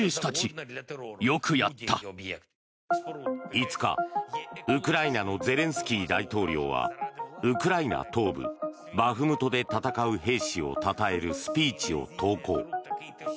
５日、ウクライナのゼレンスキー大統領はウクライナ東部バフムトで戦う兵士をたたえるスピーチを投稿。